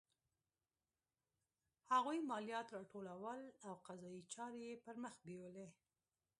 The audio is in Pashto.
هغوی مالیات راټولول او قضایي چارې یې پرمخ بیولې.